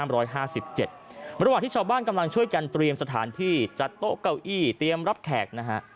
ระหว่างที่ชาวบ้านกำลังช่วยกันเตรียมสถานที่จัดโต๊ะเก้าอี้เตรียมรับแขกนะฮะ